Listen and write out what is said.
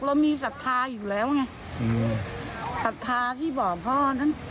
เรามีศักดิ์ทาอยู่แล้วไงศักดิ์ทาที่เบาะพ่อนั้น